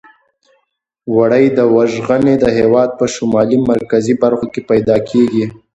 وړۍ وژغنې د هېواد په شمالي مرکزي برخو کې پیداکیږي.